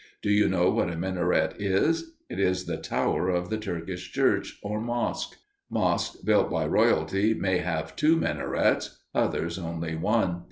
Do you know what a minaret is? It is the tower of the Turkish church, or mosque. Mosques built by royalty may have two minarets, others only one.